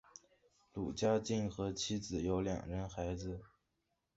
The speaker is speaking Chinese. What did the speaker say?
卢家进和妻子有两人孩子。